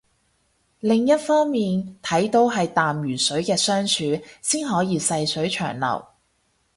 另一方面睇都係淡如水嘅相處先可以細水長流